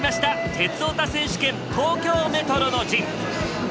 「鉄オタ選手権東京メトロの陣」。